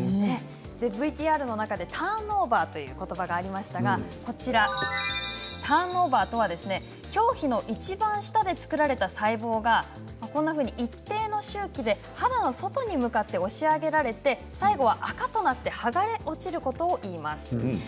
ＶＴＲの中でターンオーバーということばがありましたがターンオーバーとは表皮のいちばん下で作られた細胞が一定の周期で肌の外に向かって押し上げられて最後は、あかとなって剥がれ落ちることをいいます。